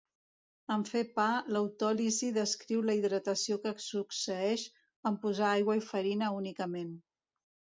En fer pa l'autòlisi descriu la hidratació que succeeix en posar aigua i farina únicament.